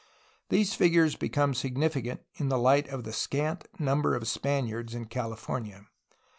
These figures become significant in the light of the scant number of Spaniards in California.